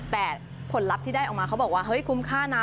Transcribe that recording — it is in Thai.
แต่ผลลัพธ์ที่ได้ออกมาเขาบอกว่าเฮ้ยคุ้มค่านะ